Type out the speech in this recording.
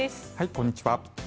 こんにちは。